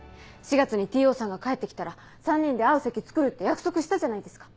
４月にＴ・Ｏさんが帰って来たら３人で会う席つくるって約束したじゃないですか。